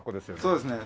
そうですね。